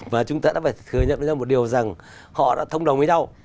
và chúng ta đã phải thừa nhận ra một điều rằng họ đã thông đồng với nhau